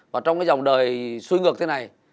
và trong cái dòng đời xuôi ngược thế này